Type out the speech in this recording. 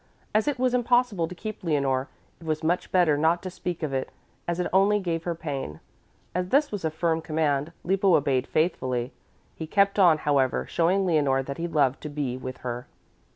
As it was impossible to keep Leonore, it was much better not to speak of it, as it only gave her pain. As this was a firm command, Lippo obeyed faithfully. He kept on, however, showing Leonore that he loved to be with her.